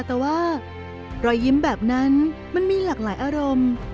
แต่ว่ารอยยิ้มแบบนั้นมันมีหลากหลายอารมณ์